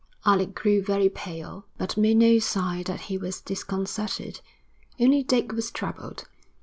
Alec grew very pale, but made no sign that he was disconcerted. Only Dick was troubled.